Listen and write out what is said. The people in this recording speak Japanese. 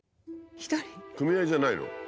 組合じゃないの？